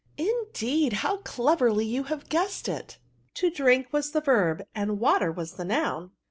" Indeed ! how cleverly you have guessed it, to drink was the verb, and water the noun."